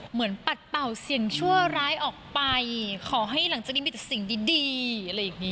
ปัดเป่าสิ่งชั่วร้ายออกไปขอให้หลังจากนี้มีแต่สิ่งดีอะไรอย่างนี้